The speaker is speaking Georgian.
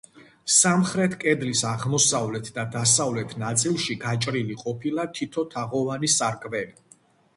სამხრეთ კედლის აღმოსავლეთ და დასავლეთ ნაწილში გაჭრილი ყოფილა თითო თაღოვანი სარკმელი.